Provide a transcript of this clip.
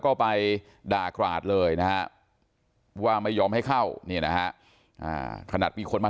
ก็ไปด่ากราดเลยนะฮะว่าไม่ยอมให้เข้านี่นะฮะขนาดมีคนมา